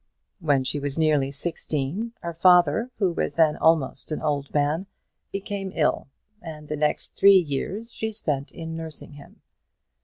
When she was nearly sixteen, her father, who was then almost an old man, became ill, and the next three years she spent in nursing him.